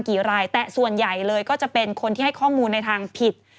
กี่รายแต่ส่วนใหญ่เลยก็จะเป็นคนที่ให้ข้อมูลในทางผิด